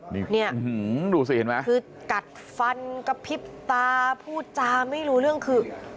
นี่คือกัดฟันกระพริบตาพูดจาไม่รู้เรื่องคือดูสิเห็นไหม